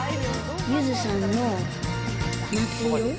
ゆずさんの夏色。